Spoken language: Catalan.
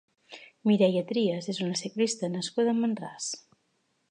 Mireia Trias és una ciclista nascuda a Mont-ras.